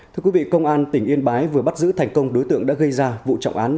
thưa quý vị công an tỉnh yên bái vừa bắt giữ thành công đối tượng đã gây ra vụ trọng án